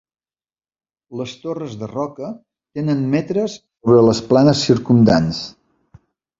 Les torres de roca tenen metres sobre les planes circumdants.